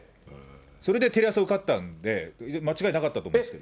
それでテレ朝受かったんで、間違いなかったと思うんですけど。